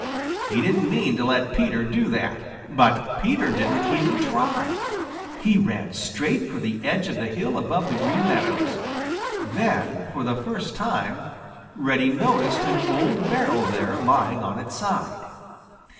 He didn't mean to let Peter do that. But Peter didn't even try. He ran straight for the edge of the hill above the Green Meadows. Then, for the first time, Reddy noticed an old barrel there lying on its side.